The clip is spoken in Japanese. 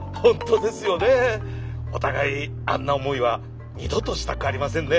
お互いあんな思いは二度としたくありませんね。